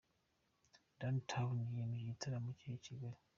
Runtown yemeje igitaramo cye i Kigali.